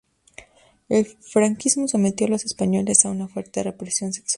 El franquismo sometió a los españoles a una fuerte represión sexual.